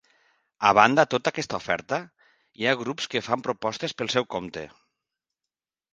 A banda tota aquesta oferta, hi ha grups que fan propostes pel seu compte.